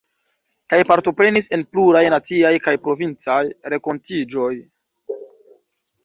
Kaj partoprenis en pluraj naciaj kaj provincaj renkontiĝoj.